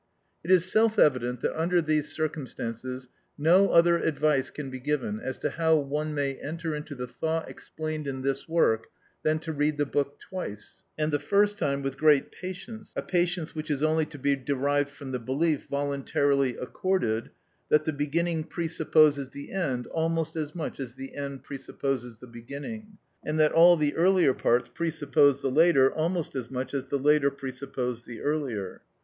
It is self evident that under these circumstances no other advice can be given as to how one may enter into the thought explained in this work than to read the book twice, and the first time with great patience, a patience which is only to be derived from the belief, voluntarily accorded, that the beginning presupposes the end almost as much as the end presupposes the beginning, and that all the earlier parts presuppose the later almost as much as the later presuppose the earlier.